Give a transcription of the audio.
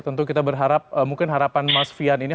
tentu kita berharap mungkin harapan mas fian ini